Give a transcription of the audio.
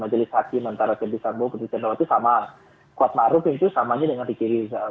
majelis hakim antara fadil sambo md chandrawati sama kuat maruf yang itu samanya dengan riky rizal